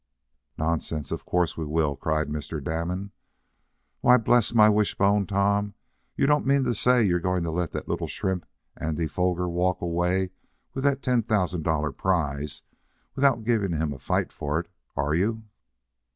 "Nonsense! Of course we will!" cried Mr. Damon. "Why, bless my wishbone! Tom, you don't mean to say you're going to let that little shrimp Andy Foger walk away with that ten thousand dollar prize without giving him a fight for it; are you?"